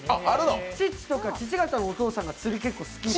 父とか父方のお父さんが釣りが好きで。